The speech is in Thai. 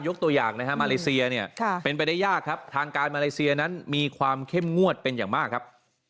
ตัวอย่างนะฮะมาเลเซียเนี่ยเป็นไปได้ยากครับทางการมาเลเซียนั้นมีความเข้มงวดเป็นอย่างมากครับ